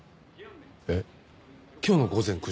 えっ今日の午前９時？